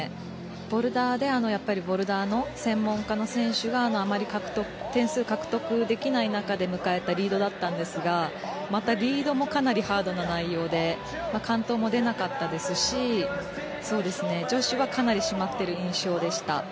ボルダーでボルダーの専門家の選手があまり点数を獲得できない中で迎えたリードだったんですがまた、リードもかなりハードな内容で完登も出なかったですし女子は、かなり締まっている印象でした。